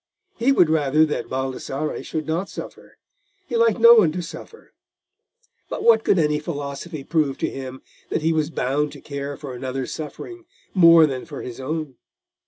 He would rather that Baldassarre should not suffer: he liked no one to suffer; but could any philosophy prove to him that he was bound to care for another's suffering more than for his own?